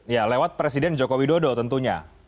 ya lewat presiden joko widodo tentunya